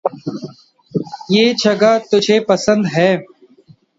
یہ جگہ تجھے پسند ہے؟